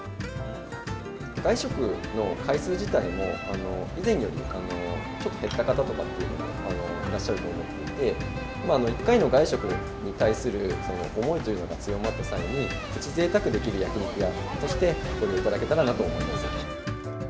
外食の回数自体も、以前より、ちょっと減った方というのもいらっしゃると思っていて、１回の外食に対する思いというのが強まった際に、プチぜいたくできる焼き肉屋としてご利用いただけたらなと思いま